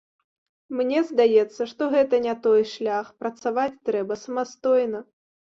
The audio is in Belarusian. Мне здаецца, што гэта не той шлях, працаваць трэба самастойна.